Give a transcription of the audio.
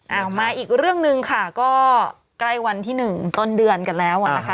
เอามาอีกเรื่องหนึ่งค่ะก็ใกล้วันที่๑ต้นเดือนกันแล้วอ่ะนะคะ